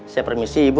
siap remisi ibu